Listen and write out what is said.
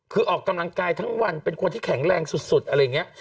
คือออกกำลังกายทั้งวันเป็นคนที่แข็งแรงสุดอะไรอย่างนี้